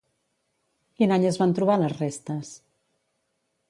Quin any es van trobar les restes?